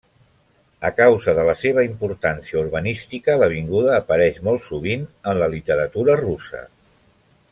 A causa de la seva importància urbanística, l'avinguda apareix molt sovint en la literatura russa.